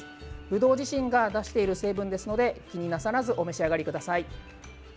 ぶどう自身が出している成分ですので気になさらずお召し上がりください。